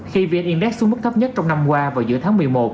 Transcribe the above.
khi vn index xuống mức thấp nhất trong năm qua vào giữa tháng một mươi một